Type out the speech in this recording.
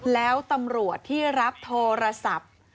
แล้วตำรวจที่รับโทรศัพท์